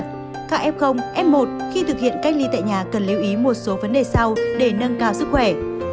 các f f một khi thực hiện cách ly tại nhà cần lưu ý một số vấn đề sau để nâng cao sức khỏe